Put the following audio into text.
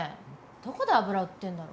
どこで油売ってんだろ。